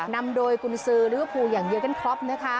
นำโดยกุญศือหรือว่าฟูอย่างเยิ้งกันครอบนะคะ